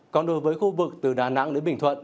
còn đối với khu vực từ đà nẵng đến bình thuận